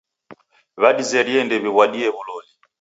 W'adizerie ndew'iw'adie w'uloli.